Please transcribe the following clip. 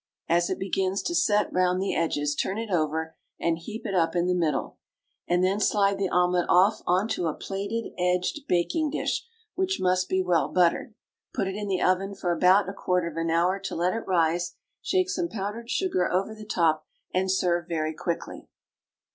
As it begins to set round the edges, turn it over and heap it up in the middle, and then slide the omelet off on to a plated edged baking dish, which must be well buttered. Put it in the oven for about a quarter of an hour, to let it rise, shake some powdered sugar over the top, and serve very quickly.